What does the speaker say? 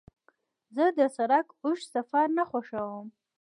زه د سړک اوږد سفر نه خوښوم.